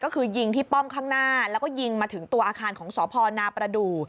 ก็คือยิงที่ป้อมข้างหน้าแล้วก็ยิงมาถึงตัวอาคารของสพนประดูก